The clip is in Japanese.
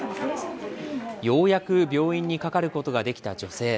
ようやく病院にかかることができた女性。